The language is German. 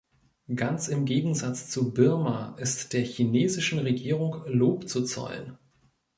Ganz im Gegensatz zu Birma ist der chinesischen Regierung Lob zu zollen.